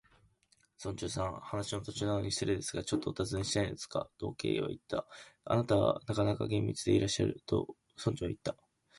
「村長さん、お話の途中なのに失礼ですが、ちょっとおたずねしたいのですが」と、Ｋ はいった。「あなたはなかなか厳密でいらっしゃる」と、村長はいった。